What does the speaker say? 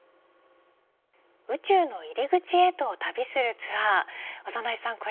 宇宙の入り口へと旅するツアー長内さん